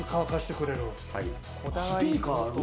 スピーカーある？